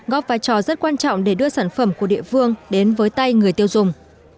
góp vai trò rất quan trọng để đưa sản phẩm của địa phương đến với tay người tiêu dùng